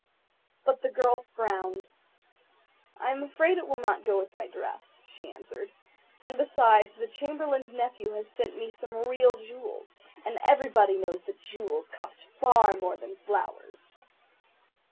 But the girl frowned. "I am afraid it will not go with my dress," she answered; "and, besides, the Chamberlain's nephew has sent me some real jewels, and everybody knows that jewels cost far more than flowers."